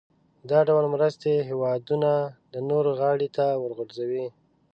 دا ډول مرستې هېوادونه د نورو غاړې ته ورغورځوي.